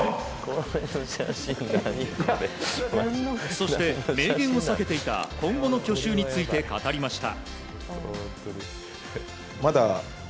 そして、明言を避けていた今後の去就について語りました。